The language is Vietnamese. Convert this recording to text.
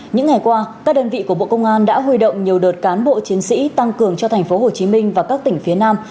những ngày qua các đơn vị của bộ công an đã huy động nhiều đợt cán bộ chiến sĩ tăng cường cho thành phố hồ chí minh và các tỉnh phía nam